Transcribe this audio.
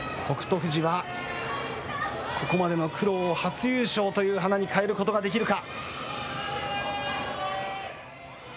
富士はここまでの苦労を初優勝という花にかえることができるか。